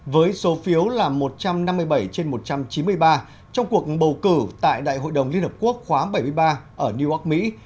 với số phiếu là một trăm năm mươi bảy trên một trăm chín mươi ba trong cuộc bầu cử tại đại hội đồng liên hợp quốc khóa bảy mươi ba ở new york mỹ